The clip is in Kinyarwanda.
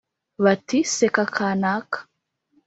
Bati seka kaanaka